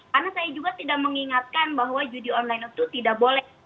karena saya juga tidak mengingatkan bahwa judi online itu tidak boleh